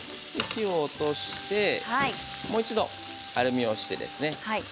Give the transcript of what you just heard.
火を落としてもう一度アルミをして。